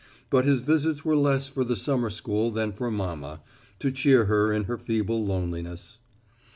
But his visits were less for the summer school than for mama, to cheer her in her feeble loneliness.